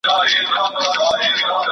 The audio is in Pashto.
که پانګونه وسي، عرضه به زیاته سي.